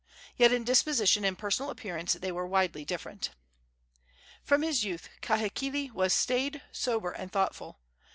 Yet in disposition and personal appearance they were widely different. From his youth Kahekili was staid, sober and thoughtful.